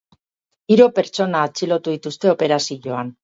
Hiru pertsona atxilotu dituzte operazioan.